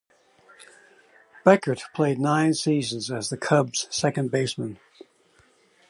Beckert played nine seasons as the Cubs' second baseman.